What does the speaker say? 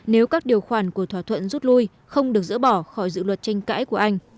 nếu các điều khoản của thỏa thuận rút lui không được dỡ bỏ khỏi dự luật tranh cãi của anh